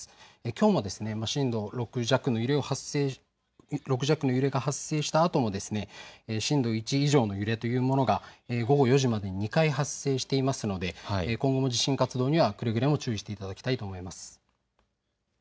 きょうも震度６弱の揺れが発生したあとも震度１以上の揺れというものが午後４時までに２回発生していますので今後も地震活動にはくれぐれも注意していただきたいと思います。